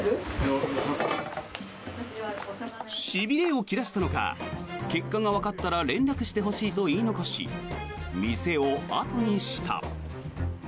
しびれを切らしたのか結果がわかったら連絡してほしいと言い残し店を後にした。